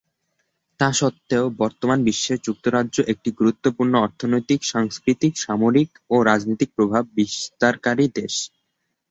তা সত্ত্বেও বর্তমান বিশ্বে যুক্তরাজ্য একটি গুরুত্বপূর্ণ অর্থনৈতিক, সাংস্কৃতিক, সামরিক ও রাজনৈতিক প্রভাব বিস্তারকারী দেশ।